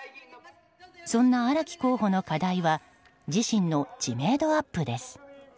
そんな荒木候補の課題は自身の知名度アップです。